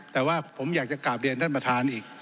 แต่ว่าผมอยากจะกลับเรียนท่านประธานอีก